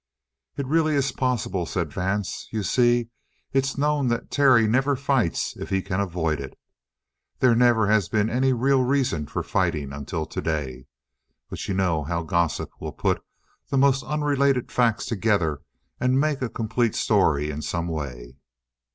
"It really is possible," said Vance. "You see, it's known that Terry never fights if he can avoid it. There never has been any real reason for fighting until today. But you know how gossip will put the most unrelated facts together, and make a complete story in some way."